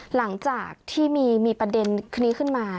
หลังจากที่มีประเด็นนี้ขึ้นมา